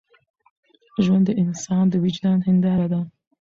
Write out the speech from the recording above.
ژوند د انسان د وجدان هنداره ده.